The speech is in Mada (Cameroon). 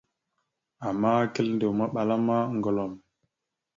Ama kiləndew maɓala ma, ŋgəlom.